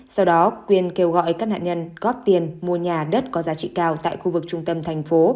sau đó quyền kêu gọi các nạn nhân góp tiền mua nhà đất có giá trị cao tại khu vực trung tâm thành phố